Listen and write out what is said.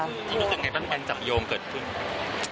จริงแต่ไงบ้างกันจักรโยงเกิดขึ้น